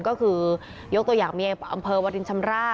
ก็คือยกตัวอย่างมีบชำระฯ